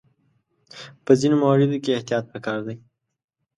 په ځینو مواردو کې احتیاط پکار دی.